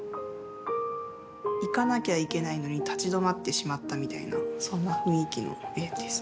行かなきゃいけないのに立ち止まってしまったみたいなそんな雰囲気の絵です。